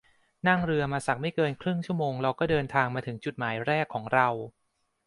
นั่งเรือมาสักไม่เกินครึ่งชั่วโมงเราก็เดินทางมาถึงจุดหมายแรกของเรา